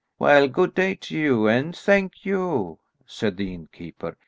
"Well, good day to you, and thank you," said the innkeeper.